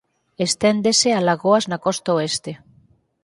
Esténdese a lagoas na costa oeste.